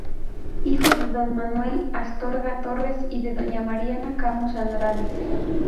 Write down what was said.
Hijo de Manuel Astorga Torres y de doña Mariana Camus Andrade.